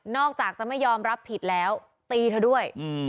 อกจากจะไม่ยอมรับผิดแล้วตีเธอด้วย